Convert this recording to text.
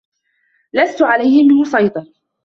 لَستَ عَلَيهِم بِمُصَيطِرٍ